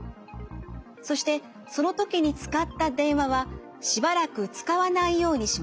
そしてその時に使った電話はしばらく使わないようにします。